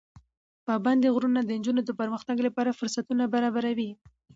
پابندي غرونه د نجونو د پرمختګ لپاره فرصتونه برابروي.